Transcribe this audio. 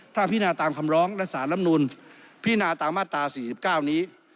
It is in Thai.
ถ้าพินาตามคำร้องและสารลำนูลพินาตามมาตรา๔๙นี้